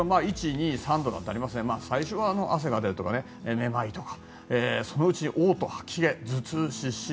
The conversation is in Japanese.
１、２、３度とありますが最初は汗が出るとかめまいとかそのうち嘔吐、吐き気頭痛、失神。